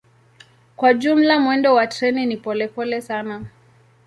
Kwa jumla mwendo wa treni ni polepole sana.